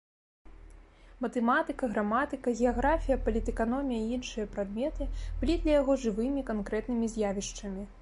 Матэматыка, граматыка, геаграфія, палітэканомія і іншыя прадметы былі для яго жывымі, канкрэтнымі з'явішчамі.